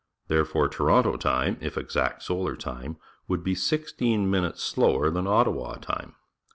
Therefore Toronto time, if exact solar time, would be sixteen minutes slower than Ottawa time.